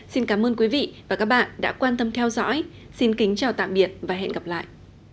xin cảm ơn quý vị và các bạn đã quan tâm theo dõi xin kính chào tạm biệt và hẹn gặp lại